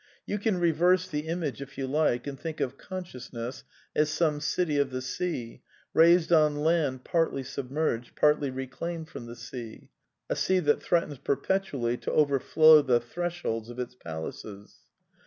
You can reverse the image, if you like, and think of consciousness as some city of the sea, • raised on land partly submerged, partly reclaimed from \ the sea; a sea that threatens perpetually to overflow the i thresholds of its palaces.